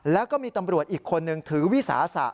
แล้วก็มีตำรวจอีกคนนึงถือวิสาสะ